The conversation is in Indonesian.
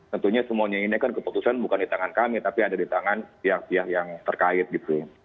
tentunya semuanya ini kan keputusan bukan di tangan kami tapi ada di tangan pihak pihak yang terkait gitu